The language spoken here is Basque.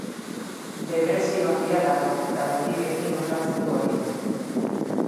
Depresio handia dago eta botikekin osatzen du hori.